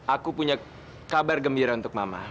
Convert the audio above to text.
aku punya kabar gembira untuk mama